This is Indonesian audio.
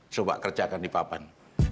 coba kerjakan di papan